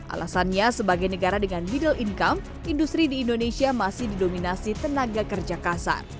alasannya sebagai negara dengan middle income industri di indonesia masih didominasi tenaga kerja kasar